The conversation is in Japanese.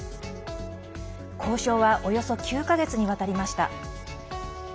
交渉はおよそ９か月にわたりました。